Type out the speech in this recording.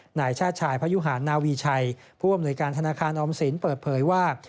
นายชาติชายพยุหารนาวีชัยผู้อำนวยการธนาคารออมสินเปิดเผยว่า